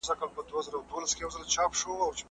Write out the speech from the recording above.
تاسو څنګه د غوښې خوندور او ګټور کباب په خپل کور کې جوړوئ؟